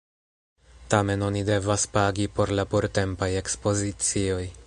Tamen oni devas pagi por la portempaj ekspozicioj.